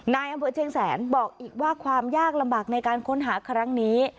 นายอำเภอเชียงแสนบอกอีกว่าความยากลำบากในการค้นหาครั้งนี้